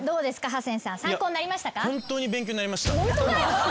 ハセンさん参考になりましたか？